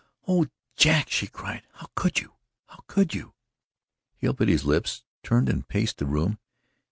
"Oh, Jack," she cried, "how could you! How could you!" Hale bit his lips, turned and paced the room.